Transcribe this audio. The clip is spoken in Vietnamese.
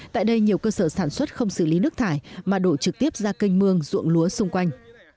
tại đây nhiều cơ sở sản xuất không xử lý nước thải mà đổ trực tiếp ra kênh mương ruộng lúa xung quanh